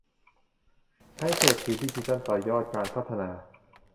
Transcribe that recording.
ใช้เศรษฐกิจดิจิทัลต่อยอดการพัฒนา